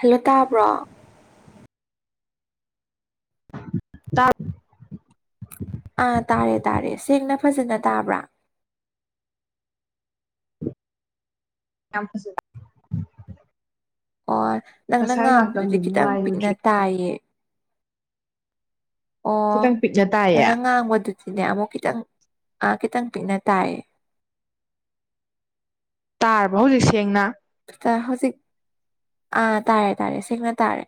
hello ꯇꯥꯕ꯭ꯔꯣ ꯇꯥꯏ ꯑꯥ ꯇꯥꯔꯦ ꯇꯥꯔꯦ ꯁꯦꯡꯅ ꯐꯖꯅ ꯇꯥꯕ꯭ꯔꯥ ꯀꯌꯥꯝ ꯐꯖꯒꯦ ꯍꯣꯏ ꯅꯪꯅ ꯉꯥꯡꯕꯗꯨꯗꯤ ꯈꯤꯇꯪ ꯄꯤꯛꯅ ꯅꯨꯡꯉꯥꯏꯔꯨꯗ꯭ꯔꯦ ꯇꯥꯏꯌꯦ ꯑꯣ ꯈꯤꯇꯪ ꯄꯤꯛꯅ ꯇꯥꯏꯌꯦ ꯅꯪꯅ ꯉꯥꯡꯕꯗꯨꯗꯤꯅꯦ ꯑꯃꯨꯛ ꯈꯤꯇꯡ ꯑꯥ ꯈꯤꯇꯪ ꯄꯤꯛꯅ ꯇꯥꯏꯌꯦ ꯇꯥꯔꯕ꯭ꯔꯣ ꯍꯧꯖꯤꯛ ꯁꯦꯡꯅ ꯇꯥ ꯍꯧꯖꯤꯛ ꯑꯥ ꯇꯥꯔꯦ ꯇꯥꯔꯦ ꯁꯦꯡꯅ ꯇꯥꯔꯦ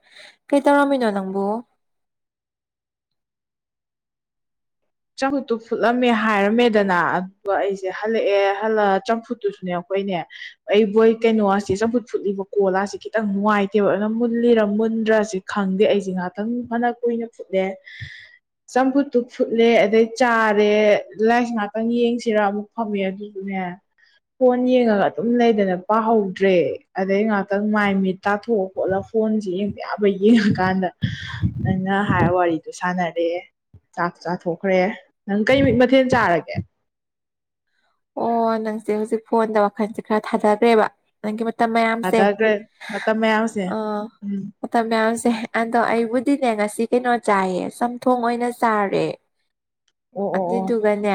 ꯀꯩ ꯇꯧꯔꯝꯃꯤꯅꯣ ꯅꯪꯕꯨ [inaudible] ꯆꯝꯐꯨꯠꯇꯨ ꯐꯨꯠꯂꯝꯃꯦ ꯍꯥꯏꯔꯝꯃꯦꯗꯅ ꯑꯗꯨꯒ ꯑꯩꯁꯦ ꯍꯜꯂꯛꯑꯦ ꯍꯜꯂꯛꯑꯒ ꯆꯝꯐꯨꯠꯇꯨꯁꯨꯅꯦ ꯑꯩꯈꯣꯏꯅꯦ ꯑꯩꯕꯣꯏ ꯀꯩꯅꯣꯁꯤ ꯆꯝꯐꯨꯠ ꯐꯨꯠꯂꯨꯕ ꯀꯣꯜꯁꯤ ꯈꯤꯇꯪ ꯅꯨꯡꯉꯥꯏꯇꯦꯕ ꯑꯗꯨꯅ ꯃꯨꯜꯂꯤꯔ ꯃꯨꯟꯗ꯭ꯔꯤꯔ ꯃꯨꯟꯗ꯭ꯔꯁꯤ ꯈꯪꯗꯦ ꯑꯩꯁꯦ ꯉꯩꯍꯥꯛꯇꯪ ꯐꯅ ꯀꯨꯏꯅ ꯐꯨꯠꯂꯦ ꯆꯝꯐꯨꯠꯇꯨ ꯐꯨꯠ ꯆꯠꯂꯦ ꯑꯗꯩ ꯆꯥꯔꯦ ꯂꯥꯏꯔꯤꯛ ꯉꯥꯛꯇꯪ ꯌꯦꯡꯁꯤꯔꯥ ꯑꯃꯨꯛ ꯐꯝꯃꯦ ꯑꯗꯨꯕꯨꯅꯦ ꯐꯣꯟ ꯌꯦꯡꯉꯒ ꯑꯗꯨꯝ ꯂꯩꯗꯅ ꯄꯥꯍꯧꯗ꯭ꯔꯦ ꯑꯗꯩ ꯉꯍꯥꯛꯇꯪ ꯃꯥꯏ ꯃꯤꯠ ꯇꯥꯊꯣꯛ ꯈꯣꯠꯂꯒ ꯐꯣꯟꯁꯤ ꯌꯦꯡꯕ ꯌꯥꯕ ꯌꯦꯡꯉꯀꯥꯟꯗ ꯅꯪꯅ ꯍꯥꯏꯕ ꯋꯥꯔꯤꯗꯣ ꯁꯥꯟꯅꯔꯦ ꯆꯥꯛ ꯆꯥꯊꯣꯛꯈ꯭ꯔꯦ ꯅꯪ ꯀꯩ ꯃꯊꯦꯜ ꯆꯥꯔꯒꯦ ꯑꯣ ꯅꯪꯁꯦ ꯍꯧꯖꯤꯛ ꯐꯣꯟꯗ ꯋꯥꯈꯜꯁꯦ ꯈꯔ ꯊꯥꯗꯈ꯭ꯔꯦꯕ ꯅꯪꯒꯤ ꯃꯇꯝ ꯃꯌꯥꯝꯁꯦ ꯊꯥꯗꯈ꯭ꯔꯦ ꯃꯇꯝ ꯃꯌꯥꯝꯁꯦ ꯑꯣ ꯎꯝ ꯃꯇꯝ ꯃꯌꯥꯝꯁꯦ ꯑꯗꯣ ꯑꯩꯕꯨꯗꯤ ꯑꯗꯨꯅꯦ ꯉꯁꯤ ꯀꯩꯅꯣ ꯆꯥꯏꯌꯦ ꯆꯝꯊꯣꯡ ꯑꯣꯏꯅ ꯆꯥꯔꯦ ꯑꯣ ꯑꯣ ꯑꯣ ꯑꯗꯨꯢꯗꯨꯒꯅꯦ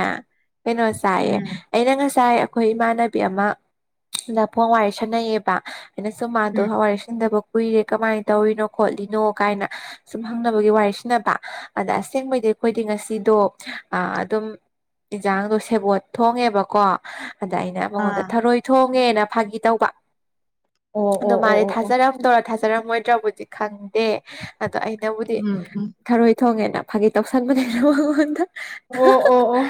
ꯀꯩꯅꯣ ꯆꯥꯏꯌꯦ ꯎꯝ ꯑꯩꯅ ꯉꯁꯥꯏ ꯑꯩꯈꯣꯏ ꯏꯃꯥꯟꯅꯕꯤ ꯑꯃꯗ ꯐꯣꯟ ꯋꯥꯔꯤ ꯁꯥꯟꯅꯩꯌꯦꯕ ꯑꯩꯅ ꯁꯨꯝ ꯃꯥꯗꯣ ꯎꯝ ꯍꯋꯥꯏꯁꯟꯗꯕ ꯀꯨꯏꯔꯦ ꯀꯃꯥꯏꯅ ꯇꯧꯔꯤꯅꯣ ꯈꯣꯠꯂꯤꯅꯣ ꯀꯥꯏꯅ ꯁꯨꯝ ꯍꯪꯅꯕꯒꯤ ꯋꯥꯔꯤꯁꯟꯅꯕ ꯑꯗ ꯑꯁꯦꯡꯕꯩꯗꯤ ꯑꯩꯈꯣꯏꯗꯤ ꯉꯁꯤꯗꯨ ꯑꯥ ꯑꯗꯨꯝ ꯏꯟꯖꯥꯡꯗꯣ ꯁꯦꯕꯣꯠ ꯊꯣꯡꯉꯦꯕ ꯀꯣ ꯑꯗ ꯑꯩꯅ ꯃꯉꯣꯟꯗ ꯑꯥ ꯊꯔꯣꯏ ꯊꯣꯡꯉꯦꯅ ꯐꯥꯒꯤ ꯇꯧꯕ ꯑꯣ ꯑꯗꯣ ꯑꯣ ꯑꯣ ꯃꯥꯗꯤ ꯑꯣ ꯑꯣ ꯊꯥꯖꯔꯝꯗꯧꯔꯥ ꯊꯥꯖ ꯔꯝꯃꯣꯏꯗ꯭ꯔꯕꯨꯗꯤ ꯈꯪꯗꯦ ꯑꯗꯣ ꯑꯩꯅꯕꯨꯗꯤ ꯎꯝ ꯎꯝ ꯊꯔꯣꯏ ꯊꯣꯡꯉꯦꯅ ꯐꯥꯒꯤ ꯇꯧꯁꯟꯕꯅꯦ ꯃꯉꯣꯟꯗ ꯑꯣ ꯑꯣ ꯑꯣ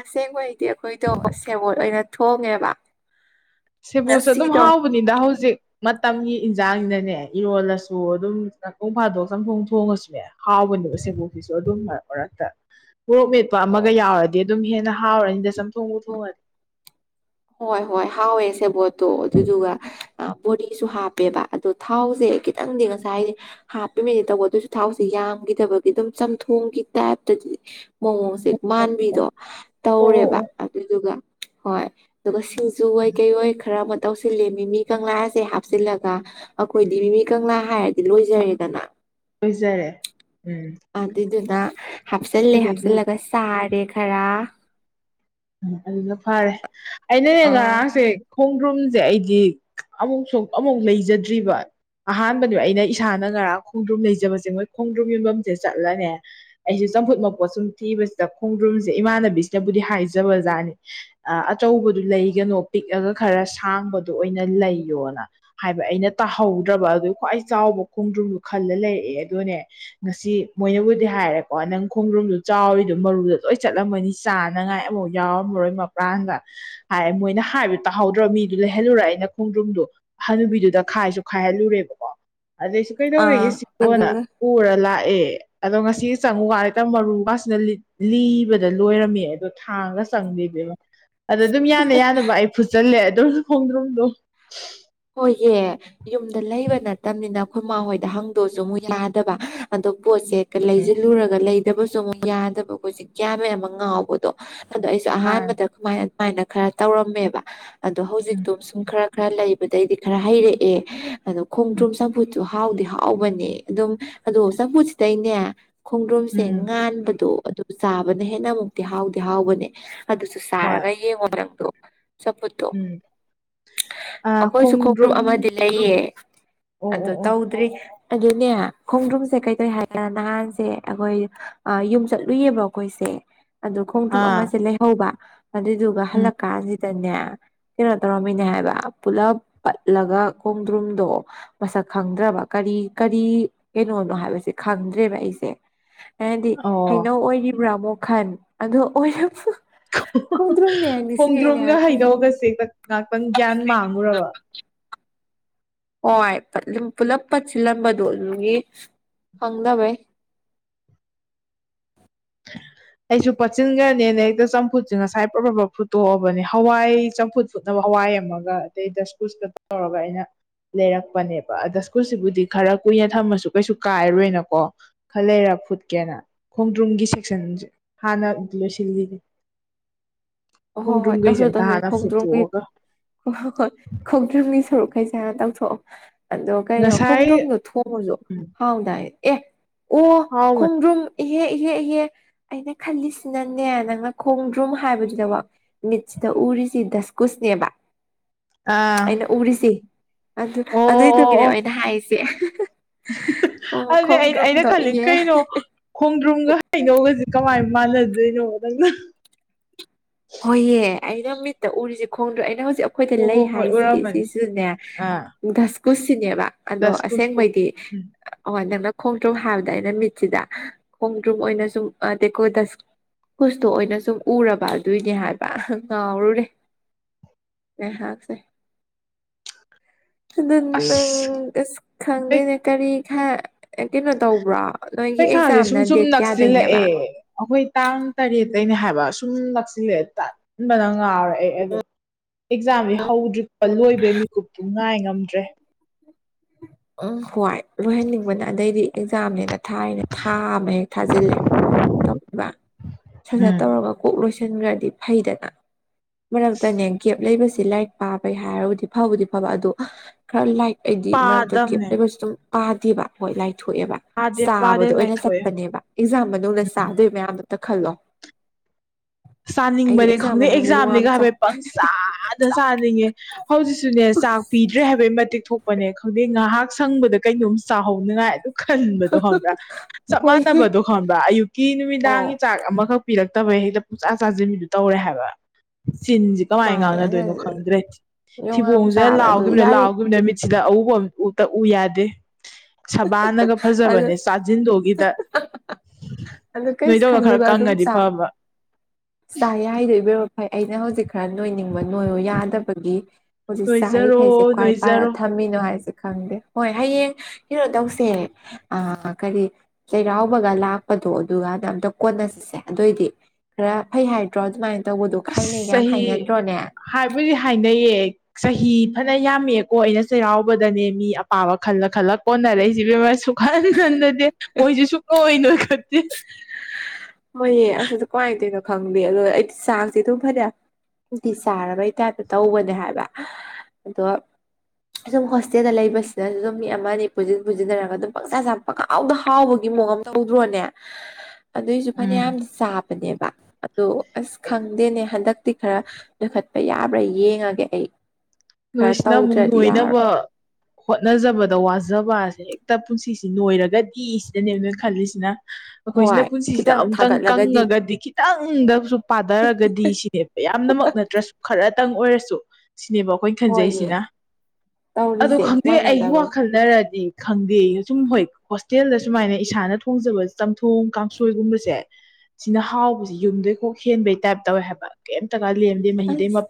ꯑꯁꯦꯡꯕꯩꯗꯤ ꯑꯩꯈꯣꯏꯗꯣ ꯁꯦꯕꯣꯠ ꯑꯣꯏꯅ ꯊꯣꯡꯉꯦꯕ ꯁꯦꯕꯣꯠꯁꯨ ꯑꯗꯨꯝ ꯉꯁꯤꯗꯣ ꯍꯥꯎꯕꯅꯤꯗ ꯍꯧꯖꯤꯛ ꯃꯇꯝꯒꯤ ꯏꯟꯁꯥꯡꯁꯤꯅꯅꯦ ꯏꯔꯣꯜꯂꯁꯨ ꯑꯗꯨꯝ ꯅꯣꯡꯐꯥꯗꯣꯛ ꯆꯝꯊꯣꯡ ꯊꯣꯡꯉꯁꯨꯅꯦ ꯍꯥꯎꯕꯅꯦꯕ ꯁꯦꯕꯣꯠꯇꯤ ꯑꯩꯁꯨ ꯑꯗꯨꯝ ꯃꯔꯛ ꯃꯔꯛꯇ ꯃꯣꯔꯣꯛ ꯃꯦꯠꯄ ꯑꯣ, ꯑꯃꯒ ꯌꯥꯎꯔꯗꯤ ꯑꯗꯨꯝ ꯍꯦꯟꯅ ꯍꯥꯎꯔꯅꯤꯗ ꯆꯝꯊꯣꯡꯕꯨ ꯊꯣꯡꯉꯗꯤ ꯍꯣꯏ ꯍꯣꯏ ꯍꯥꯎꯋꯦ ꯁꯦꯕꯣꯠꯇꯣ ꯑꯗꯨꯢꯗꯨꯒ ꯕꯣꯔꯤꯁꯨ ꯍꯥꯞꯄꯦꯕ ꯑꯗꯣ ꯊꯥꯎꯁꯦ ꯈꯤꯇꯪꯗꯤ ꯉꯁꯥꯏ ꯍꯥꯞꯄꯤꯃꯗꯤ ꯇꯧꯕ ꯑꯗꯨꯑꯣꯏꯁꯨ ꯊꯥꯎꯁꯤ ꯌꯥꯝꯒꯤꯗꯕꯒꯤ ꯑꯗꯨꯝ ꯆꯝꯊꯣꯡꯒꯤ ꯇꯥꯏꯞꯇꯗꯤ ꯃꯑꯣꯡꯁꯦ ꯃꯥꯟꯕꯤꯗꯣ ꯑꯣ ꯑꯣ ꯇꯧꯔꯦꯕ ꯑꯣ ꯑꯗꯨꯗꯨꯒ ꯍꯣꯏ ꯑꯗꯨꯒ ꯁꯤꯡ ꯨꯖꯨ ꯑꯣꯢ ꯀꯩ ꯑꯣꯏ ꯈꯔꯃꯠ ꯇꯧꯁꯤꯜꯂꯦ ꯃꯤꯃꯤ ꯀꯪꯂꯥꯁꯦ ꯍꯥꯞꯆꯤꯜꯂꯒ ꯑꯩꯈꯣꯏꯗꯤ ꯃꯤꯃꯤ ꯀꯪꯂꯥ ꯍꯥꯏꯔꯗꯤ ꯂꯣꯏꯖꯔꯦꯗꯅ ꯂꯣꯏꯖꯔꯦ ꯎꯝ ꯑꯗꯨꯏꯗꯨꯅ ꯍꯥꯞꯆꯤꯜꯂꯦ ꯑꯗꯒꯤ ꯍꯥꯞꯆꯤꯜꯂꯒ ꯆꯥꯔꯦ ꯈꯔ ꯎꯝ ꯑꯗꯨꯅ ꯐꯔꯦ ꯑꯩꯅꯅꯦ ꯑꯥ ꯉꯔꯥꯡꯁꯦ ꯈꯣꯡꯗ꯭ꯔꯨꯝꯁꯦ ꯑꯩꯗꯤ ꯑꯃꯨꯛꯁꯨ ꯑꯃꯨꯛ ꯂꯩꯖꯗ꯭ꯔꯤꯕ ꯑꯍꯥꯟꯕꯅꯦ ꯑꯩꯅ ꯏꯁꯥꯅ ꯉꯔꯥꯡ ꯈꯣꯡꯗ꯭ꯔꯨꯝ ꯂꯩꯖꯕꯁꯦ ꯃꯣꯏ ꯈꯣꯡꯗ꯭ꯔꯨꯝ ꯌꯣꯟꯐꯝꯁꯦ ꯆꯠꯂꯅꯦ ꯑꯩꯁꯦ ꯆꯝꯐꯨꯠ ꯃꯄꯣꯠ ꯁꯨꯝ ꯊꯤꯕꯁꯤꯗ ꯈꯣꯡꯗ꯭ꯔꯨꯝꯁꯦ ꯏꯃꯥꯟꯅꯕꯤꯁꯤꯅꯕꯨꯗꯤ ꯍꯥꯏ ꯖꯕꯖꯥꯠꯅꯤ ꯑꯆꯧꯕꯗꯨ ꯂꯩꯒꯅꯣ ꯄꯤꯛꯑꯒ ꯈꯔ ꯁꯥꯡꯕꯗꯣ ꯑꯣꯏꯅ ꯂꯩꯌꯣꯅ ꯍꯥꯏꯕ ꯑꯩꯅ ꯇꯥꯍꯧꯗ꯭ꯔꯕ ꯑꯗꯨꯢ ꯈ꯭ꯋꯥꯏ ꯆꯥꯎꯕ ꯈꯣꯡꯗ꯭ꯔꯨꯝꯗꯣ ꯈꯜꯂ ꯂꯩꯔꯛꯑꯦ ꯑꯗꯨꯅꯦ ꯁꯤ ꯃꯣꯏꯅꯕꯨꯗꯤ ꯍꯥꯏꯔꯦꯀꯣ ꯅꯪ ꯈꯣꯡꯗ꯭ꯔꯨꯝꯗꯣ ꯆꯥꯎꯔꯤꯗꯣ ꯃꯔꯨꯗ ꯂꯣꯏ ꯆꯠꯂꯝꯃꯅꯤ ꯆꯥꯅꯉꯥꯏ ꯑꯃꯧ ꯌꯥꯎꯔꯝꯃꯔꯣꯏ ꯃꯄ꯭ꯔꯥꯡꯒ ꯍꯥꯏ ꯃꯣꯏꯅ ꯍꯥꯏꯕꯗꯨ ꯇꯥꯍꯧꯗ꯭ꯔ ꯃꯤꯗꯨ ꯂꯩꯍꯜꯂꯨꯔ ꯑꯩꯅ ꯈꯣꯡꯗ꯭ꯔꯨꯝꯗꯨ ꯍꯅꯨꯕꯤꯗꯨꯗ ꯈꯥꯏꯁꯨ ꯈꯥꯏꯍꯜꯂꯨꯔꯦꯕꯀꯣ ꯑꯗꯩꯁꯨ ꯀꯩꯗꯧꯋꯦꯒꯦ ꯑꯥ ꯁꯤꯕꯨꯅ ꯑꯗꯨꯒ ꯄꯨꯔ ꯂꯥꯛ ꯑꯦ ꯑꯗꯣ ꯉꯁꯤ ꯆꯪꯉꯨꯒꯥꯟ ꯍꯦꯛꯇ ꯃꯔꯨ ꯀꯥꯁꯤꯅ ꯂꯤꯕꯗ ꯂꯣꯏꯔꯝꯃꯦ ꯑꯗꯣ ꯊꯥꯡꯒ ꯆꯪꯒꯤꯗ꯭ꯔꯤꯕ ꯑꯗꯣ ꯑꯗꯨꯝ ꯌꯥꯅ ꯌꯥꯅꯕ ꯑꯩ ꯐꯨꯠꯆꯜꯂꯦ ꯑꯗꯨ ꯈꯣꯡꯗ꯭ꯔꯨꯝꯗꯣ ꯍꯣꯏꯌꯦ ꯌꯨꯝꯗ ꯂꯩꯕ ꯅꯠꯇꯕꯅꯤꯅ ꯈꯨꯣꯏꯃꯥ ꯍꯣꯏꯗ ꯍꯪꯗꯣꯁꯨ ꯑꯃꯨꯛ ꯌꯥꯗꯕ ꯄꯣꯠꯁꯦ ꯎꯝ ꯂꯩꯁꯤꯜꯂꯨꯔꯒ ꯂꯩꯗꯕꯁꯨ ꯑꯃꯨꯛ ꯌꯥꯗꯕ ꯑꯩꯈꯣꯏꯁꯦ ꯒ꯭ꯌꯥꯟ ꯃꯦꯟ ꯑꯃ ꯉꯥꯎꯕꯗꯣ ꯑꯗꯣ ꯑꯩꯁꯨ ꯑꯥ ꯑꯍꯥꯟꯕꯗ ꯀꯃꯥꯏ ꯑꯗꯨꯃꯥꯏꯅ ꯈꯔ ꯇꯧꯔꯝꯃꯦꯕ ꯑꯗꯣ ꯎꯝ ꯍꯧꯖꯤꯛꯇꯣ ꯁꯨꯝ ꯈꯔ ꯈꯔ ꯂꯩ ꯕꯗꯩꯗꯤ ꯈꯔ ꯍꯩꯔꯛꯑꯦ ꯑꯗꯣ ꯎꯝ ꯈꯣꯡꯗ꯭ꯔꯨꯝ ꯆꯝꯐꯨꯠꯇꯨ ꯍꯥꯎꯗꯤ ꯍꯥꯎꯕꯅꯦ ꯑꯗꯨꯝ ꯑꯗꯣ ꯆꯝꯐꯨꯠꯁꯤꯗꯩꯅꯦ ꯈꯣꯡꯗ꯭ꯔꯨꯝꯁꯦ ꯎꯝ ꯉꯥꯟꯕꯗꯣ ꯑꯗꯨ ꯆꯥꯕꯅ ꯍꯦꯟꯅ ꯑꯃꯨꯛꯇꯤ ꯍꯥꯎꯗꯤ ꯍꯥꯎꯕꯅꯦ ꯑꯗꯨꯁꯨ ꯍꯣꯏ ꯆꯥꯔꯒ ꯌꯦꯡꯉꯣ ꯅꯪꯗꯨ ꯎꯝ ꯑꯥ ꯑꯩꯈꯣꯏꯁꯨ ꯈꯣꯡꯗ꯭ꯔꯨꯝ ꯑꯃꯗꯤ ꯂꯩꯌꯦ ꯑꯣ ꯑꯣ ꯑꯗꯨ ꯑꯣ ꯇꯧꯗ꯭ꯔꯤ ꯑꯗꯨꯅꯦ ꯈꯣꯡꯗ꯭ꯔꯨꯝꯁꯦ ꯀꯩꯗꯧꯏ ꯍꯥꯏꯀꯥꯟꯗ ꯅꯍꯥꯟꯁꯦ ꯑꯩꯈꯣꯏ ꯌꯨꯝ ꯆꯠꯂꯨꯏꯌꯦꯕ ꯑꯩꯈꯣꯏ ꯁꯦ ꯈꯣꯡꯗ꯭ꯔꯨꯝ ꯑꯥ ꯑꯃꯁꯦ ꯂꯩꯍꯧꯕ ꯑꯗꯨꯗꯨꯒ ꯎꯝ ꯍꯜꯂꯛꯀꯥꯟꯁꯤ ꯗꯅꯦ ꯀꯩꯅꯣ ꯇꯧꯔꯝꯃꯤꯅꯦ ꯍꯥꯏꯕ ꯄꯨꯂꯞ ꯄꯠꯂꯒ ꯈꯣꯡꯗ꯭ꯔꯨꯝꯗꯣ ꯃꯁꯛ ꯈꯪꯗ꯭ꯔꯕ ꯀꯔꯤ ꯀꯔꯤ ꯀꯩꯅꯣ ꯅꯣ ꯍꯥꯏꯕꯁꯦ ꯈꯪꯗ꯭ꯔꯦꯕ ꯑꯩꯁꯦ ꯍꯥꯏꯗꯤ ꯑꯣ ꯍꯩꯅꯧ ꯑꯣꯏꯔꯤꯕ꯭ꯔꯥ ꯑꯃꯨꯛ ꯈꯟ ꯑꯗꯣ ꯑꯣꯏꯔ ꯈꯣꯡꯗ꯭ꯔꯨꯝꯅꯦ ꯅꯤꯡꯁꯤꯡꯉꯛꯏꯅꯦ ꯈꯣꯡꯗ꯭ꯔꯣꯝꯒ ꯍꯥꯏꯕ ꯈꯣꯡꯗ꯭ꯔꯨꯝ ꯍꯩꯅꯧꯒꯁꯦ ꯉꯥꯛꯇꯪ ꯒ꯭ꯌꯥꯟ ꯃꯥꯡ ꯉꯨꯔꯕ ꯍꯣꯏ ꯄꯠ ꯄꯨꯂꯞ ꯄꯠꯁꯤꯜꯂꯝꯕꯗꯣ ꯑꯗꯨꯒꯤ ꯈꯪꯗꯕꯩ ꯑꯩꯁꯨ ꯄꯠꯆꯤꯟꯈ꯭ꯔꯅꯦꯅ ꯍꯦꯛꯇ ꯆꯝꯐꯨꯠꯁꯦ ꯉꯁꯥꯏ ꯄ꯭ꯔ ꯄ꯭ꯔꯞ ꯐꯨꯠꯇꯣꯛꯑꯕꯅꯦ ꯍꯋꯥꯏ ꯆꯝꯐꯨꯠ ꯐꯨꯠꯅꯕ ꯍꯋꯥꯏ ꯑꯃꯝꯃꯒ ꯑꯗꯩ ꯗꯁꯀꯨꯁꯀ ꯇꯧꯔꯒ ꯑꯩꯅ ꯂꯩꯔꯛꯄꯅꯦꯕ ꯗꯁꯀꯨꯁꯁꯤꯕꯨꯗꯤ ꯈꯔ ꯀꯨꯏꯅ ꯊꯝꯃꯁꯨ ꯀꯩꯁꯨ ꯀꯥꯏꯔꯣꯏꯅꯀꯣ ꯈꯔ ꯂꯩꯔ ꯐꯨꯠꯀꯦꯅ ꯈꯣꯡꯗ꯭ꯔꯨꯝꯒꯤ ꯁꯦꯛꯁꯟꯁꯦ ꯍꯥꯟꯅ ꯂꯣꯏꯁꯤꯟꯈꯤꯒꯦ ꯑꯣ ꯍꯣ ꯍꯣꯏ ꯇꯧꯁꯜꯂꯨ ꯇꯧꯁꯜꯂꯨ ꯈꯣꯡꯗ꯭ꯔꯨꯒꯤ ꯍꯣ ꯍꯣꯢ ꯈꯣꯡꯗ꯭ꯔꯨꯝꯒꯤ ꯁꯔꯨꯛ ꯄꯩꯁꯥ ꯇꯧꯊꯣꯛꯑꯣ ꯑꯗꯣ ꯀꯩꯅꯣ ꯉꯁꯥꯏ ꯈꯣꯡꯗ꯭ꯔꯨꯝꯗꯣ ꯊꯣꯡꯕꯁꯨ ꯎꯝ ꯍꯥꯎꯗꯥꯏ ꯑꯦ ꯑꯣ ꯍꯥꯎꯕꯅꯦ ꯈꯣꯡꯗ꯭ꯔꯨꯝ ꯏꯍꯦ ꯏꯍꯦ ꯏꯍꯦ ꯑꯩꯅ ꯈꯜꯂꯤꯁꯤꯅꯅꯦ ꯅꯪꯅ ꯈꯣꯡꯗ꯭ꯔꯨꯝ ꯍꯥꯏꯕꯗꯨꯗ ꯋꯥ ꯃꯤꯠꯁꯤꯗ ꯎꯔꯤꯁꯤ ꯗꯁꯀꯨꯁꯅꯦꯕ ꯑꯥ ꯑꯩꯅ ꯎꯔꯤꯁꯤ ꯑꯗꯨ ꯑꯗꯨꯏꯗꯨꯒꯤꯅꯦ ꯑꯩꯅ ꯍꯥꯏꯔꯤꯁꯦ ꯑꯣ ꯑꯗꯨꯗꯤ ꯑꯩ ꯑꯩꯅ ꯈꯣꯡꯗ꯭ꯔꯨꯝꯗꯣ ꯈꯜꯂꯤ ꯏꯍꯦ ꯀꯩꯅꯣ ꯈꯣꯡꯗ꯭ꯔꯨꯝꯒ ꯍꯩꯅꯧꯒꯁꯦ ꯀꯃꯥꯏ ꯃꯥꯟꯅꯗꯣꯢꯅꯣ ꯅꯪ ꯍꯣꯏꯌꯦ ꯑꯩꯅ ꯃꯤꯠꯇ ꯎꯔꯤꯁꯦ ꯈꯣꯡꯗ꯭ꯔ ꯑꯩꯅ ꯍꯧꯖꯤꯛ ꯑꯩꯈꯣꯏꯗ ꯍꯣꯏ ꯂꯩ ꯍꯣꯏ ꯍꯣꯏ ꯍꯥꯏꯁꯤ ꯎꯔꯝꯃꯅꯤ ꯁꯤꯁꯨꯅꯦ ꯑꯥ ꯙꯁꯀꯨꯁꯁꯤꯅꯦꯕ ꯑꯗꯣ ꯗꯁꯀꯨꯁꯀꯨ ꯑꯁꯦꯡꯕꯩꯗꯤ ꯎꯝ ꯑꯣ ꯅꯪꯅ ꯈꯣꯡꯗ꯭ꯔꯨꯝ ꯍꯥꯏꯕꯗ ꯑꯩꯅ ꯃꯤꯠꯁꯤꯗ ꯈꯣꯡꯗ꯭ꯔꯨꯝ ꯑꯣꯏꯅ ꯁꯨꯝ ꯇꯦꯀꯣꯗꯁ ꯀꯨꯁꯇꯨ ꯑꯣꯏꯅ ꯁꯨꯝ ꯎꯔꯕ ꯑꯗꯨ ꯑꯗꯨꯏꯅꯦ ꯍꯥꯏꯕ ꯉꯥꯎꯔꯨꯔꯦ ꯉꯥꯢꯍꯥꯛꯁꯦ ꯑꯗꯨ ꯅꯪ ꯑꯁ ꯑꯁ ꯈꯪꯗꯦꯅꯦ ꯀꯔꯤ ꯈꯥ ꯑꯦ ꯀꯩꯅꯣ ꯇꯧꯕ꯭ꯔꯣ ꯅꯣꯏꯒꯤ ꯑꯦꯛꯖꯥꯝꯅ ꯗꯦꯠ ꯀꯌꯥꯗꯩꯅꯦꯕ ꯑꯈꯣꯏ ꯇꯥꯡ ꯇꯔꯦꯇꯩꯅꯦ ꯍꯥꯏꯕ ꯁꯨꯝ ꯅꯛꯁꯤꯜꯂꯑꯦ ꯇꯟꯕ ꯅ ꯉꯥꯎꯔꯛꯑꯦ ꯑꯗꯣ ꯑꯦꯛꯖꯥꯝꯗꯤ ꯍꯧꯗ꯭ꯔꯤꯄ ꯂꯣꯏꯕꯩ ꯃꯤꯀꯨꯞꯇꯨ ꯉꯥꯏ ꯉꯝꯗ꯭ꯔꯦ ꯎꯝ ꯍꯣꯏ ꯂꯣꯏꯍꯟꯅꯤꯡꯕꯅ ꯑꯗꯩꯗꯤ ꯑꯦꯛꯖꯥꯝꯅꯦ ꯅꯠ ꯊꯥꯏꯅ ꯊꯥ ꯑꯃ ꯍꯦꯛ ꯊꯥꯖꯤꯜꯂꯦ ꯇꯧꯔꯤꯕ ꯁꯠ ꯁꯠ ꯎꯝ ꯇꯧꯔꯒ ꯀꯣꯛ ꯂꯣꯏꯁꯤ ꯁꯟꯈ꯭ꯔꯗꯤ ꯐꯩꯗꯅ ꯃꯔꯛꯇꯅꯦ ꯒꯦꯞ ꯂꯩꯕꯁꯤ ꯂꯥꯏꯔꯤꯛ ꯄꯥꯕꯩ ꯍꯥꯏꯔꯒꯗꯤ ꯐꯕꯨꯗꯤ ꯐꯕ ꯑꯗꯣ ꯈꯔ ꯂꯥꯏꯛ ꯑꯩꯗꯤ ꯃꯔꯛꯇ ꯀꯦꯞ ꯄꯥꯗꯕꯅꯦ ꯂꯩꯕꯁꯨ ꯑꯗꯨꯝ ꯄꯥꯗꯦꯕ ꯍꯣꯏ ꯂꯥꯏꯊꯣꯛꯑꯦꯕ ꯄꯥꯗꯦ ꯄꯥꯗꯦ ꯆꯥꯕꯗꯣ ꯑꯣꯏꯅ ꯂꯥꯏꯊꯣꯛꯑꯦ ꯎꯝ ꯆꯠꯄꯅꯦꯕ ꯑꯦꯛꯖꯥꯝ ꯃꯅꯨꯡꯗ ꯆꯥꯗꯣꯏ ꯃꯌꯥꯝꯗꯣ ꯇ ꯈꯜꯂꯣ ꯑꯩꯗꯤ ꯆꯥꯅꯤꯡꯕꯅꯦ ꯑꯦꯛꯖꯥꯝ ꯈꯪꯗꯦ ꯃꯅꯨꯡꯗ ꯌꯣꯡꯌꯥꯝ ꯑꯦꯛꯖꯥꯝꯅꯦꯒ ꯆꯥꯏ ꯍꯥꯏꯐꯦ ꯄꯪ ꯆꯥꯗ ꯆꯥꯅꯤꯡꯉꯦ ꯍꯧꯖꯤꯛꯁꯨꯅꯦ ꯆꯥꯛ ꯄꯤꯗ꯭ꯔꯦ ꯍꯥꯏꯕꯩ ꯃꯇꯤꯛ ꯊꯣꯛꯄꯅꯦ ꯈꯪꯗꯦ ꯉꯥꯏꯍꯥꯛ ꯁꯪꯕꯗ ꯀꯩꯅꯣꯝ ꯆꯥꯍꯧꯅꯤꯉꯥꯏ ꯑꯗꯨꯝ ꯈꯟꯕꯗꯣ ꯈꯟꯕ꯭ꯔꯥ ꯆꯞ ꯍꯣꯏ ꯃꯥꯟꯅꯕꯗꯣ ꯈꯟꯕ꯭ꯔꯥ ꯑꯌꯨꯛꯀꯤ ꯑꯣ ꯅꯨꯃꯤꯗꯥꯡꯒꯤ ꯆꯥꯛ ꯑꯃꯈꯛ ꯄꯤꯔꯛꯇꯕꯩ ꯍꯦꯛꯇ ꯄꯨꯡꯆꯥꯥ ꯆꯥꯖꯤꯟꯕꯤꯗꯨ ꯇꯧꯔꯦ ꯍꯥꯏꯕ ꯆꯤꯟꯖꯤ ꯀꯃꯥꯏꯅ ꯃꯥꯅꯦ ꯑꯗꯨ ꯉꯥꯡꯅꯗꯣꯏꯅꯣ ꯈꯪꯗ꯭ꯔꯦ ꯌꯣꯡꯌꯥꯝ ꯊꯤꯕꯣꯡꯁꯦ ꯆꯥꯕ ꯑꯗꯨ ꯂꯥꯎꯈꯤꯕꯅ ꯌꯥꯔꯤ ꯂꯥꯎꯒꯤꯈꯤꯕꯅ ꯃꯤ ꯁꯤꯗ ꯑꯎꯕ ꯑꯝꯇ ꯎ ꯎ ꯌꯥꯗꯦ ꯁꯕꯥꯟꯅꯒ ꯑꯗꯨ ꯐꯖꯕꯅꯦ ꯆꯥꯖꯤꯟꯗꯣꯒꯤꯗ ꯑꯗꯨ ꯀꯩꯁꯨ ꯅꯣꯏꯗꯧꯅ ꯈꯔ ꯀꯪꯉꯗꯤ ꯐꯕ ꯆꯥꯏ ꯌꯥ ꯍꯥꯏꯗꯣ ꯏꯕꯦꯝꯃ ꯐꯩ ꯑꯩꯅ ꯍꯧꯖꯤꯛ ꯈꯔ ꯅꯣꯏꯅꯤꯡꯕ ꯅꯣꯏꯌꯣ ꯌꯥꯗꯕꯒꯤ ꯍꯧꯖꯤꯛ ꯅꯣꯏꯖꯔꯣ ꯆꯥꯔꯤꯈꯩꯁꯦ ꯀ꯭ꯋꯥꯏ ꯄꯥꯏ ꯅꯣꯏꯖꯔꯣ ꯊꯝꯃꯤꯅꯣ ꯍꯥꯏꯁꯦ ꯈꯪꯗꯦ ꯍꯣꯏ ꯍꯌꯦꯡ ꯍꯤꯔꯣꯗꯧꯁꯦ ꯑꯥ ꯀꯔꯤ ꯆꯩꯔꯥꯎꯕꯒ ꯂꯥꯛ ꯄꯗꯣ ꯑꯗꯨ ꯑꯗꯨꯒꯥꯟ ꯑꯝꯇ ꯀꯣꯟꯅꯁꯤꯁꯦ ꯑꯗꯨꯑꯣꯏꯗꯤ ꯈꯔ ꯐꯩ ꯍꯥꯏꯗ꯭ꯔꯣ ꯑꯗꯨꯃꯥꯏꯅ ꯇꯧꯕꯗꯣ ꯑꯁ ꯈꯥꯏꯅꯩꯒ ꯌꯥꯝ ꯆꯍꯤ ꯍꯥꯏꯅꯗ꯭ꯔꯣꯅꯦ ꯍꯥꯏꯕꯗꯤ ꯍꯥꯏꯅꯩꯌꯦ ꯆꯍꯤ ꯐꯅ ꯅ ꯌꯥꯝꯃꯦꯑꯦꯀꯣ ꯑꯩꯅ ꯆꯩꯔꯥꯎꯕꯗꯅꯦ ꯃꯤ ꯑꯄꯥꯕ ꯈꯜꯂ ꯈꯜꯂ ꯀꯣꯟꯅꯔꯛꯏꯁꯦ ꯕꯦꯝꯃ ꯁꯨ ꯍꯟ ꯍꯟꯗꯗꯦ ꯃꯣꯏꯁꯨ ꯁꯨꯛꯅꯣ ꯅꯣꯏ ꯈꯠꯇꯦ ꯍꯣꯏꯌꯦ ꯑꯁ ꯑꯗꯨ ꯀꯃꯥꯏꯅ ꯇꯧꯔꯤꯅꯣ ꯈꯪꯗꯦ ꯑꯗꯣ ꯑꯩꯗꯤ ꯆꯥꯡꯁꯦ ꯑꯗꯨꯝ ꯐꯅꯌꯥꯝ ꯆꯥꯔꯕꯩ ꯇꯥꯏꯞꯇ ꯇꯧꯕꯅꯦ ꯍꯥꯏꯕ ꯑꯗꯣ ꯁꯨꯝ ꯍꯣꯁꯇꯦꯜꯗ ꯂꯩꯕꯁꯤꯗꯁꯨ ꯑꯗꯨꯝ ꯃꯤ ꯑꯃꯅꯤ ꯄꯨꯖꯤꯟ ꯄꯨꯖꯤꯟꯅꯔꯒ ꯑꯗꯨꯝ ꯄꯪꯆꯥ ꯆꯥꯕ ꯄꯪꯍꯥꯎꯗ ꯍꯥꯎꯕꯒꯤ ꯃꯑꯣꯡ ꯑꯝ ꯇꯧꯗ꯭ꯔꯣꯅꯦ ꯑꯗꯨꯢ ꯎꯝ ꯐꯅꯌꯥꯝꯗꯤ ꯆꯥꯕꯅꯦꯕ ꯑꯗꯣ ꯑꯁ ꯈꯪꯗꯦꯅꯦ ꯍꯟꯗꯛ ꯇꯤ ꯈꯔ ꯅꯣꯢꯈꯠꯄ ꯌꯥꯕ꯭ꯔꯥ ꯌꯦꯡꯉꯒꯦ ꯑꯩ ꯈꯔ ꯅꯣꯏꯁꯤꯅ ꯑꯃꯨꯛ ꯇꯧꯗ꯭ꯔꯗꯤ ꯌꯥꯔꯣꯏ ꯅꯣꯏꯅꯕ ꯍꯣꯠꯅꯖꯕꯗ ꯋꯥꯖꯕꯁꯦ ꯍꯦꯛꯇ ꯄꯨꯟꯁꯤꯁꯤ ꯅꯣꯏꯔꯒꯗꯤ ꯁꯤꯗꯅꯦꯕ ꯅꯣꯏ ꯈꯜꯂꯤꯁꯤꯅ ꯑꯈꯣꯏꯁꯤꯅ ꯍꯣꯏ ꯄꯨꯟꯁꯤꯁꯤꯗ ꯈꯤꯇꯪ ꯑꯃꯨꯛꯇꯪ ꯊꯥꯒꯠꯂꯒꯗꯤ ꯀꯪꯉꯒꯗꯤ ꯈꯤꯇꯪꯗꯁꯨ ꯄꯥꯗꯔꯒꯗꯤ ꯁꯤꯅꯦ ꯌꯥꯝꯅꯃꯛ ꯅꯠꯇ꯭ꯔꯁꯨ ꯈꯔꯇꯪ ꯑꯣꯏꯔꯁꯨ ꯁꯤꯅꯦꯕ ꯑꯩꯈꯣꯏꯅ ꯍꯣꯏꯅꯦ ꯈꯟꯖꯩꯁꯤꯅ ꯑꯗꯣ ꯇꯧꯔꯤꯁꯦ ꯈꯪꯗꯦ ꯑꯩꯒꯤ ꯃꯥꯟꯅꯗꯕꯅꯤ ꯋꯥꯈꯜꯅꯔꯗꯤ ꯈꯪꯗꯦ ꯁꯨꯝ ꯍꯣꯏ ꯍꯣꯁꯇꯦꯜꯗ ꯁꯨꯃꯥꯏꯅ ꯏꯁꯥꯅ ꯊꯣꯡꯖꯕ ꯆꯝꯊꯣꯡ ꯀꯥꯡꯁꯣꯏꯒꯨꯝꯕꯁꯦ ꯁꯤꯅ ꯍꯥꯎꯕꯁꯤ ꯌꯨꯝꯗꯩꯈꯣꯛ ꯍꯦꯟꯕꯩ ꯇꯥꯏꯞ ꯇꯧꯋꯦ ꯍꯥꯏꯕ ꯀꯩꯝꯇ ꯑꯁ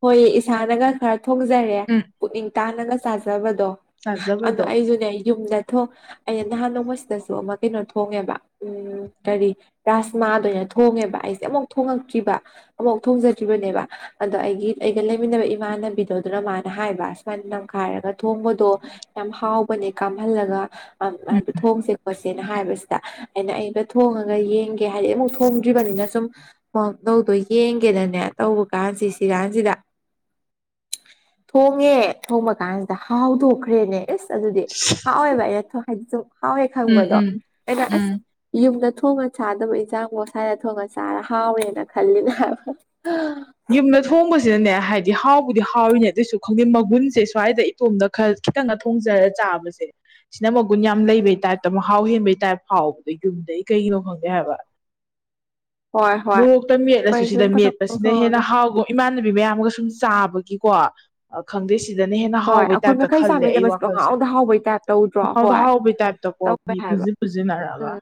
ꯍꯣꯏ ꯏꯁꯥꯅꯒ ꯈꯔ ꯊꯣꯡꯖꯔꯦ ꯄꯨꯛꯅꯤꯡ ꯇꯥꯅꯒ ꯆꯥꯖꯕꯗꯣ ꯑꯗꯣ ꯆꯥꯖꯕꯗꯣ ꯑꯩꯖꯨꯅꯦ ꯌꯨꯝꯗ ꯊꯣ ꯑꯩꯅ ꯅꯍꯥꯟ ꯅꯣꯡꯃꯁꯤꯗꯁꯨ ꯑꯃ ꯀꯩꯅꯣ ꯊꯣꯡꯉꯦꯕ ꯎꯝ ꯀꯔꯤ ꯔꯥꯁꯃꯥꯗꯣ ꯊꯣꯡꯉꯦꯕ ꯑꯩꯁꯦ ꯑꯃꯨꯎ ꯊꯣꯡꯉꯛꯇ꯭ꯔꯤꯕ ꯑ ꯑꯃꯨꯎ ꯊꯣꯡꯖ ꯇ꯭ꯔꯤꯕꯅꯦꯕ ꯑꯗꯣ ꯑꯩꯒꯤ ꯑꯩꯒ ꯂꯩꯃꯤꯟꯅꯕ ꯏꯃꯥꯟꯅꯕꯤꯗꯣ ꯑꯗꯨꯅ ꯃꯥꯅ ꯍꯥꯏꯕ ꯁꯨꯃꯥꯏꯅ ꯅꯝꯈꯥꯏꯔꯒ ꯊꯣꯡ ꯊꯣꯡꯕꯗꯣ ꯌꯥꯝ ꯍꯥꯎꯕꯅꯦ ꯀꯥꯝꯍꯜꯂꯒ ꯍꯥꯏꯗꯤ ꯊꯣꯡꯁꯦ ꯄꯣꯁꯦꯅ ꯍꯥꯏꯕꯁꯤꯗ ꯑꯩꯅ ꯑꯩꯒ ꯊꯣꯡꯉꯒ ꯌꯦꯡꯒꯦ ꯍꯥꯏꯗꯤ ꯑꯃꯨꯛ ꯊꯣꯡꯗ꯭ꯔꯤꯕꯅꯤꯅ ꯁꯨꯝ ꯇꯧꯗꯣ ꯌꯦꯡꯒꯦꯗꯅꯦ ꯇꯧꯕ ꯀꯥꯟꯁꯤ ꯁꯤꯔꯥꯟꯁꯤꯗ ꯊꯣꯡꯉꯦ ꯊꯣꯡꯕ ꯀꯥꯟꯁꯤꯗ ꯍꯥꯎꯗꯣꯛꯈ꯭ꯔꯦꯅꯦ ꯏꯁ ꯑꯗꯨꯗꯤ ꯍꯥꯎꯋꯦꯕ ꯑꯩꯅ ꯍꯥꯏꯗꯤ ꯁꯨꯝ ꯍꯥꯎꯋꯦ ꯎꯝ ꯈꯪꯕꯗꯣ ꯎꯝ ꯑꯩꯅ ꯑꯁ ꯎꯝ ꯌꯨꯝꯗ ꯊꯣꯡ ꯊꯣꯡꯉ ꯆꯥꯗꯕ ꯏꯟꯁꯥꯡꯐꯣ ꯁꯥꯏꯗ ꯊꯣꯡꯉ ꯆꯥꯔ ꯍꯥꯎꯋꯦꯅ ꯈꯜꯂꯤꯅꯦ ꯌꯨꯝꯗ ꯊꯣꯡꯕꯁꯤꯅꯅꯦ ꯍꯥꯏꯗꯤ ꯍꯥꯎꯕꯨꯗꯤ ꯍꯥꯎꯔꯤꯅꯦ ꯑꯗꯨꯏꯁꯨ ꯈꯪꯗꯦ ꯃꯒꯨꯟꯁꯦ ꯁ꯭ꯋꯥꯏꯗ ꯏꯇꯣꯝꯗ ꯈꯜ ꯈꯤꯇꯪꯒ ꯊꯣꯡꯖꯔ ꯆꯥꯕꯁꯦ ꯁꯤꯅ ꯃꯒꯨꯟ ꯌꯥꯝ ꯂꯩꯕꯩ ꯇꯥꯏꯞꯇ ꯃꯍꯥꯎ ꯍꯦꯟꯕꯩ ꯇꯥꯏꯞ ꯍꯥꯎꯕꯗꯣ ꯌꯨꯝꯗꯒꯤ ꯀꯩꯒꯤꯅꯣ ꯈꯪꯗꯦ ꯍꯥꯏꯕ ꯍꯣꯏ ꯍꯣꯏ ꯃꯣꯔꯣꯛꯇ ꯍꯣꯏ ꯃꯦꯠꯂꯁꯨ ꯁꯤꯗ ꯁꯨꯝ ꯄꯊꯣꯡ ꯃꯦꯠꯄꯁꯤ ꯁꯤꯗ ꯍꯦꯟꯅ ꯊꯣꯡꯉꯒ ꯍꯥꯎꯒꯨꯝ ꯏꯃꯥꯟꯅꯕꯤ ꯃꯌꯥꯝꯒ ꯁꯨꯝ ꯆꯥꯕꯒꯤꯀꯣ ꯑꯥ ꯈꯪꯗꯦ ꯁꯤꯗꯅ ꯍꯦꯟꯅ ꯍꯣꯏ ꯍꯥꯎꯕꯩ ꯑꯩꯈꯣꯏ ꯇꯥꯏꯞꯇ ꯃꯈꯩ ꯈꯜꯂꯦ ꯑꯩ ꯆꯥꯃꯤꯟꯅꯕꯁꯤ ꯋꯥꯈꯜꯁꯦ ꯄꯪꯍꯥꯎꯗ ꯍꯥꯎꯕꯩ ꯇꯥꯏꯞ ꯇꯧꯗ꯭ꯔꯣ ꯄꯪꯍꯥꯎꯗ ꯍꯣꯏ ꯍꯥꯎꯕꯩ ꯇꯥꯏꯞꯇꯀꯣ ꯇꯧꯋꯦ ꯃꯤ ꯍꯥꯏꯕ ꯄꯨꯖꯤ ꯄꯨꯖꯤꯅꯔꯒ ꯎꯝ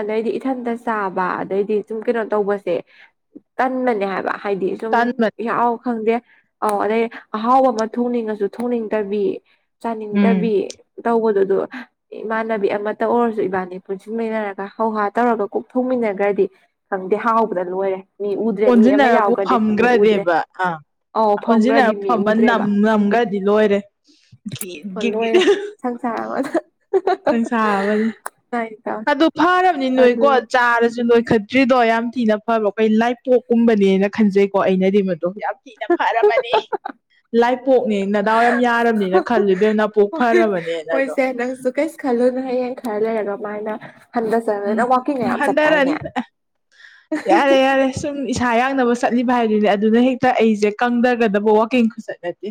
ꯑꯗꯩꯗꯤ ꯏꯊꯟꯇ ꯆꯥꯕ ꯑꯗꯩꯗꯤ ꯍꯥꯏꯗꯤ ꯁꯨꯝ ꯀꯩꯅꯣ ꯇꯧꯕꯁꯦ ꯇꯟꯕꯅꯦ ꯍꯥꯏꯕ ꯍꯥꯏꯗꯤ ꯁꯨꯝ ꯇꯟꯕ ꯌꯥꯎ ꯈꯪꯗꯦ ꯑꯥꯎ ꯑꯗꯩ ꯑꯍꯥꯎꯕ ꯑꯃ ꯊꯣꯡꯅꯤꯡꯉꯁꯨ ꯊꯣꯡꯅꯤꯡꯗꯕꯤ ꯎꯝ ꯆꯥꯅꯤꯡꯗꯕꯤ ꯇꯧꯕꯗꯣ ꯑꯗꯣ ꯏꯃꯥꯟꯅꯕꯤ ꯑꯃꯇ ꯑꯣꯏꯔꯁꯨ ꯏꯕꯥꯅꯤ ꯄꯨꯟꯁꯤꯟꯃꯤꯟꯅꯔꯒ ꯍꯧ ꯍꯥ ꯇꯧꯔꯒ ꯀꯣꯛ ꯊꯣꯛꯃꯤꯟꯅꯈ꯭ꯔꯗꯤ ꯈꯪꯗꯦ ꯍꯥꯎꯕꯗ ꯂꯣꯏꯔꯦ ꯃꯤ ꯎꯗ꯭ꯔꯦ ꯃꯤ ꯑꯃ ꯑꯣꯟꯁꯤꯟꯅꯔꯕꯨ ꯌꯥꯎꯒ꯭ꯔꯗꯤ ꯃꯤ ꯎꯗ꯭ꯔꯦ ꯐꯝꯈ꯭ꯔꯗꯤꯕ ꯑꯥ ꯑꯥꯎ ꯐꯪꯒ꯭ꯔꯗꯤ ꯃꯤ ꯎꯗ꯭ꯔꯦꯕ ꯅꯝꯒ꯭ꯔꯗꯤ ꯂꯣꯏꯔꯦ ꯒꯤꯠ ꯒꯤꯠ ꯒꯤꯠ ꯂꯣꯏꯔꯦ ꯁꯪꯁꯥꯔ ꯑꯃꯗ [unintelligible] ꯁꯪꯁꯥꯔ ꯑꯃꯅꯤ ꯑꯗꯨꯃꯥꯏꯅ ꯑꯗꯨ ꯐꯔꯕꯅꯤ ꯇꯧꯋꯦ ꯑꯗꯨ ꯅꯣꯏꯀꯣ ꯆꯥꯔꯁꯨ ꯅꯣꯏ ꯈꯇ꯭ꯔꯤꯗꯣ ꯌꯥꯝ ꯊꯤꯅ ꯐꯕ ꯑꯩꯈꯣꯏ ꯂꯥꯏꯄꯣꯛꯀꯨꯝꯕꯅꯦꯅ ꯈꯟꯖꯩꯀꯣ ꯑꯩꯅꯗꯤ ꯑꯗꯨ ꯌꯥꯝ ꯊꯤꯅ ꯐꯔꯕꯅꯤ ꯂꯥꯏꯄꯣꯛꯅꯦ ꯅꯥꯗꯥꯎ ꯌꯥꯝ ꯌꯥꯔꯕꯅꯤꯅ ꯈꯜꯂꯦꯕꯦꯝ ꯅꯥꯄꯣꯛ ꯐꯔꯕꯅꯦꯅ ꯑꯗꯣ ꯗꯣ ꯀꯩꯁꯨ ꯈꯜꯂꯨꯅꯨ ꯈꯔꯥ ꯂꯩꯔꯒ ꯃꯥꯏꯅ ꯍꯟꯊꯖꯔꯒ ꯅꯪ ꯋꯥꯛꯀꯤꯡꯒ ꯎꯝ ꯌꯥꯝ ꯆꯠꯇꯥꯏꯅꯦ ꯍꯟꯗꯔꯅꯤ ꯌꯥꯔꯦ ꯌꯥꯔꯦ ꯁꯨꯝ ꯏꯁꯥ ꯌꯥꯡꯅꯕ ꯆꯠꯂꯤꯕ ꯍꯥꯏꯗꯨꯅꯦ ꯑꯗꯨꯅ ꯍꯦꯛꯇ ꯑꯩꯁꯦ ꯀꯪꯗꯒꯗꯕ ꯋꯥꯋꯀꯤꯡ ꯈꯨꯆꯠ ꯅꯠꯇꯦ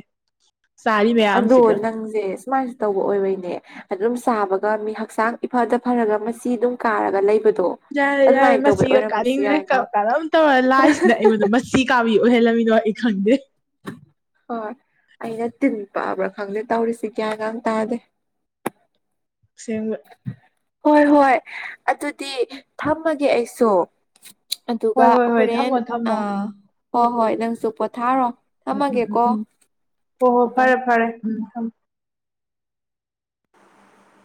ꯆꯥꯔꯤ ꯑꯗꯣ ꯃꯌꯥꯝꯁꯤꯒ ꯅꯪꯖꯦ ꯁꯨꯃꯥꯏꯅ ꯇꯧꯕ ꯑꯣꯏꯕꯩꯅꯦ ꯑꯗꯨꯝ ꯆꯥꯕꯒ ꯃꯤ ꯍꯛꯆꯥꯡ ꯏꯐꯗ ꯐꯔꯒ ꯃꯆꯤ ꯑꯗꯨꯝ ꯀꯥꯔꯒ ꯂꯩꯕꯗ ꯌꯥꯔꯦ ꯌꯥꯔꯦ ꯃꯆꯤꯒ ꯀꯥꯅꯤꯡꯗ꯭ꯔꯦ ꯌꯥꯏꯉꯣ ꯀꯥꯔꯝ ꯇꯧꯔ ꯂꯥꯏꯁꯤꯅ ꯑꯩꯉꯣꯟꯗ ꯃꯆꯤ ꯀꯥꯕꯤ ꯑꯣꯏꯍꯜꯂꯝꯃꯤꯗꯣ ꯈꯪꯗꯦ ꯍꯣꯏ ꯑꯩꯅ ꯇꯤꯟ ꯄꯛꯑꯕ꯭ꯔꯥ ꯈꯪꯗꯦ ꯇꯧꯔꯤꯁꯤ ꯒ꯭ꯌꯥꯟ ꯒ ꯇꯥꯗꯦ [inaudible] ꯑꯁꯦꯡꯕ ꯍꯣꯏ ꯍꯣꯏ ꯑꯗꯨꯗꯤ ꯊꯝꯃꯒꯦ ꯑꯩꯁꯨ ꯍꯣꯏ ꯑꯗꯨꯒ ꯍꯣꯏ ꯍꯣꯏ ꯍꯣꯔꯦꯟ ꯊꯝꯃꯣ ꯊꯝꯃꯣ ꯍꯣꯏ ꯍꯣꯏ ꯅꯪꯁꯨ ꯄꯣꯊꯥꯔꯣ ꯊꯝꯃꯒꯦꯀꯣ ꯍꯣ ꯍꯣ ꯑꯥ ꯐꯔꯦ ꯐꯔꯦ ꯊꯝ [inaudible]